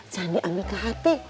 jangan diambil ke hati